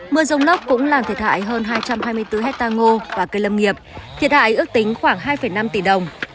mưa rông lốc cũng làm thiệt hại hơn hai trăm hai mươi bốn hectare ngô và cây lâm nghiệp thiệt hại ước tính khoảng hai năm tỷ đồng